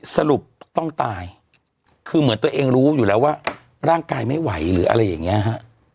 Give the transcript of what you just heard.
สรุปต้องตายคือเหมือนตัวเองรู้อยู่แล้วว่าร่างกายไม่ไหวหรืออะไรอย่างเงี้ยฮะ